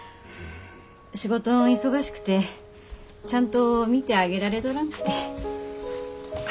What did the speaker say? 仕事ん忙しくてちゃんと見てあげられとらんくて。